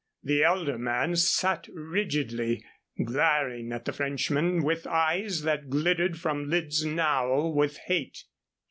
The elder man sat rigidly, glaring at the Frenchman with eyes that glittered from lids narrow with hate.